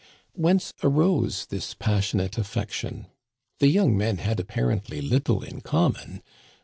Whence arose this passionate affection ? The young men had apparently little in common.